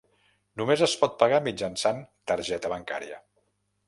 Només es pot pagar mitjançant targeta bancària.